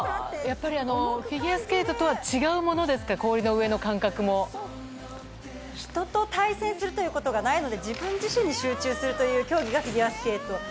やっぱりフィギュアスケートとは違うものですか、氷の上の感人と対戦するということがないので、自分自身に集中するという競技がフィギュアスケート。